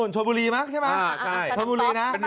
โชบุรีมั้งใช่มั้ย